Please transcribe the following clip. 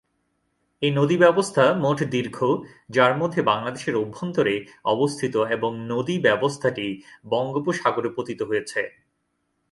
এই নদী ব্যবস্থা মোট দীর্ঘ, যার মধ্যে বাংলাদেশের অভ্যন্তরে অবস্থিত এবং নদী ব্যবস্থাটি বঙ্গোপসাগরে পতিত হয়েছে।